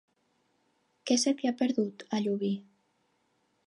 Què se t'hi ha perdut, a Llubí?